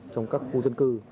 trong các khu dân cư